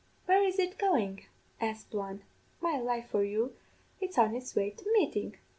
"'Where is it goin'?' asked one. 'My life for you, it's on it's way to Meeting.